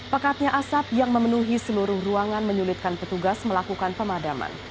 pekatnya asap yang memenuhi seluruh ruangan menyulitkan petugas melakukan pemadaman